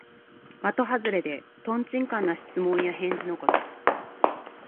まとはずれで、とんちんかんな質問や返事のこと。